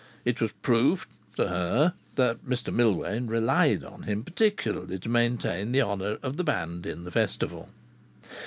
It was proof, to her, that Mr Millwain relied on him particularly to maintain the honour of the band in the Festival.